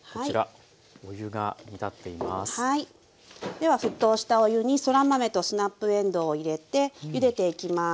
では沸騰したお湯にそら豆とスナップえんどうを入れてゆでていきます。